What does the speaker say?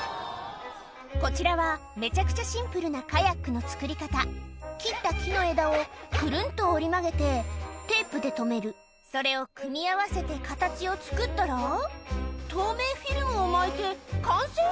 こちらはめちゃくちゃシンプルなカヤックの作り方切った木の枝をくるんと折り曲げてテープで止めるそれを組み合わせて形を作ったら透明フィルムを巻いて完成？